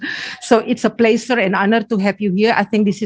jadi ini adalah kesenangan dan kehormatan untuk menghadirkan anda di sini